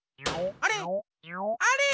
あれ？